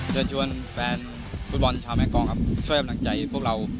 เชิญชวนแฟนฟุตบอลชาวแม่งกองครับช่วยกำลังใจพวกเรา